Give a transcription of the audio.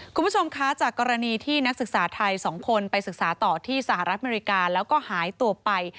คุณผู้ชมคะจากกรณีที่นักศึกษาไทย๒คนไปศึกษาต่อที่สหรัฐอเมริกาแล้วก็หายตัวไป